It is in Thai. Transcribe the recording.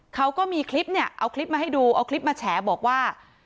เขาก็มีคลิปเนี่ยเอาคลิปมาให้ดูเอาคลิปมาแฉบอกว่า